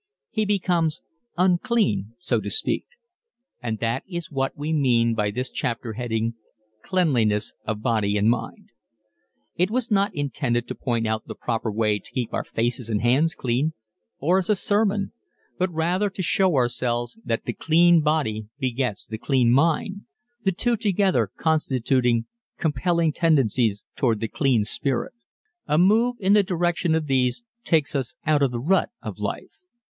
He becomes unclean, so to speak. And that is what we mean by this chapter heading "Cleanliness of Body and Mind." It was not intended to point out the proper way to keep our faces and hands clean, or as a sermon, but rather to show ourselves that the clean body begets the clean mind, the two together constituting compelling tendencies toward the clean spirit. A move in the direction of these takes us out of the rut of life.